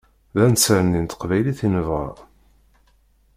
D anserni n teqbaylit i nebɣa.